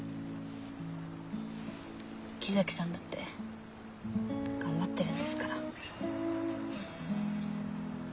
木崎さんだって頑張ってるんですから。